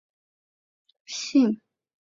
中国细辛